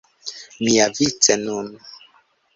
Miavice nun!